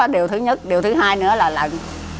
điều thứ nhất điều thứ hai nữa là lận